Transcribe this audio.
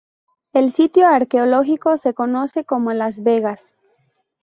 El sitio arqueológico se conoce como Las Vegas.